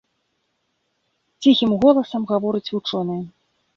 Ціхім голасам гаворыць вучоны.